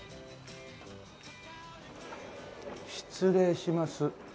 失礼します。